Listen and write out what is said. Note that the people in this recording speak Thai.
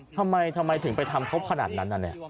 ทำไมถึงไปทำเขาขนาดนั้นนานเนี่ย